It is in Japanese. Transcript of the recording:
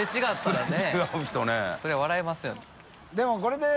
そりゃ笑いますよね。